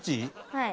はい。